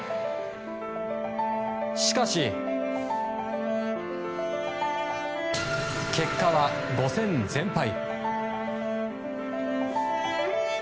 しかし、結果は５戦全敗。